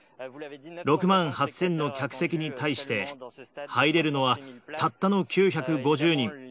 ６万８０００の客席に対して、入れるのはたったの９５０人。